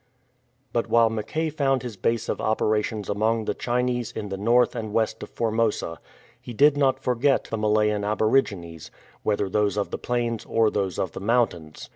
'''' But while Mackay found his base of operations among the Chinese m the north and west of Formosa, he did not forget the Malayan aborigines, whether those of the plains or those of the mountains.